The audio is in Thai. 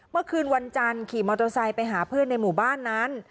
เมื่อคืนวันจันทร์ขี่มอเตอร์ไซค์ไปหาเพื่อนในหมู่บ้านนั้น